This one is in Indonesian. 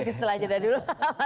apasih setelah jeda dulu